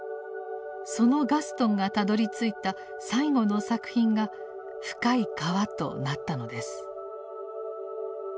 そのガストンがたどりついた最後の作品が「深い河」となったのです。